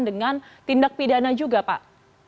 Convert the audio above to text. dengan tindak pidana juga pak